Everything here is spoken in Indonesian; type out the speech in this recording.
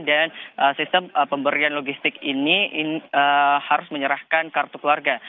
dan sistem pemberian logistik ini harus menyerahkan kartu keluarga